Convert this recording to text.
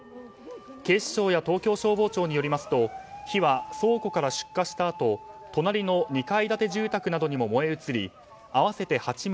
警視庁や東京消防庁によりますと火は倉庫から出火したあと隣の２階建て住宅などにも燃え移り合わせて８棟